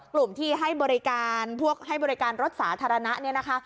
กลุ่มที่ให้บริการรถสาธารณะเนี่ยนะคะ